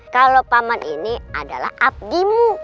kalau paman ini adalah abdimu